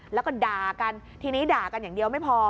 แล้วก็ด่ากันทีนี้ด่ากันอย่างเดียวไม่พอ